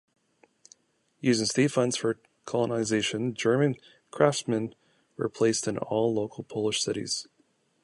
Using state funds for colonization, German craftsmen were placed in all local Polish cities.